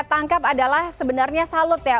tangkap adalah sebenarnya salut ya